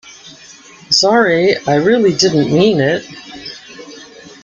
Sorry, I really didn't mean it.